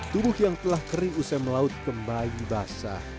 tubuh yang telah kering usai melaut kembali basah